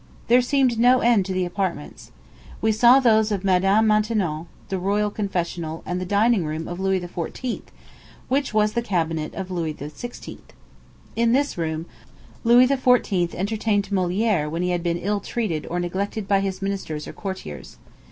There seemed no end to the apartments. We saw those of Madame Maintenon, the royal confessional, and the dining room of Louis XIV., which was the cabinet of Louis XVI. In this room Louis XIV. entertained Molière when he had been ill treated or neglected by his ministers and courtiers.